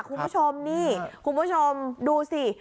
คุณผู้ชมนี่คุณผู้ชมดูสิ